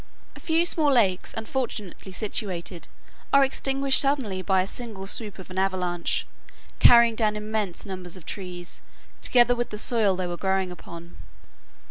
] A few small lakes unfortunately situated are extinguished suddenly by a single swoop of an avalanche, carrying down immense numbers of trees, together with the soil they were growing upon.